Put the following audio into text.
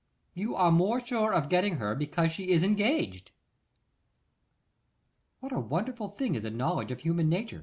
You are more sure of getting her because she is engaged.' What a wonderful thing is a knowledge of human nature!